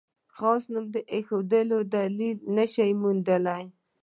خاص نوم ایښودل دلیل نه شي موندلای.